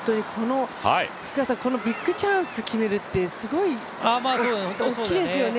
このビッグチャンス決めるって、すごい大きいですよね。